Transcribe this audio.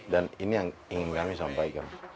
dan ini yang ingin kami sampaikan